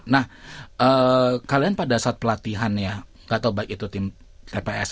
nah kalian pada saat pelatihan ya gak tau baik itu tim tps atau tps